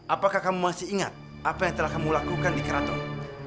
apakah kamu masih ingat apa yang telah kamu lakukan di keraton